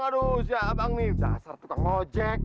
aduh si abang ini dasar putang lojek